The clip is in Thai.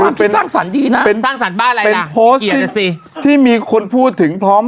เริ่มคิดสร้างสรรค์ดีนะสร้างสรรค์บ้าอะไรล่ะเป็นโพสต์ที่ที่มีคนพูดถึงพร้อม